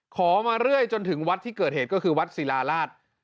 มาเรื่อยจนถึงวัดที่เกิดเหตุก็คือวัดศิลาราช